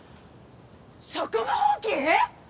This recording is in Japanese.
職務放棄！？